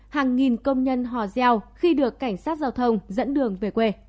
hàng nghìn công nhân hò reo khi được cảnh sát giao thông dẫn đường về quê